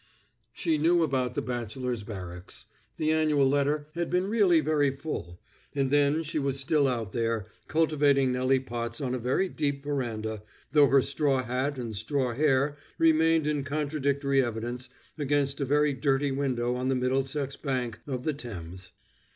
She knew about the bachelors' barracks; the annual letter had been really very full; and then she was still out there, cultivating Nelly Potts on a very deep veranda, though her straw hat and straw hair remained in contradictory evidence against a very dirty window on the Middlesex bank of the Thames.